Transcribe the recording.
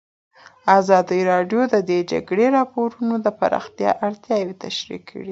ازادي راډیو د د جګړې راپورونه د پراختیا اړتیاوې تشریح کړي.